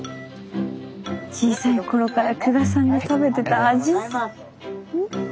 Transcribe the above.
小さい頃から久我さんが食べてた味。